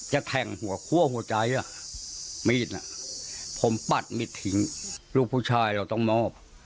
จะแธงหัวขัวหัวใจมีดอ่ะผมปัดมีดถิงลูกผู้ชายเราต้องมอบ